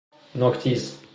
نوک تیز